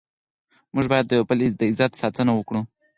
موږ باید د یو بل د عزت ساتنه وکړو.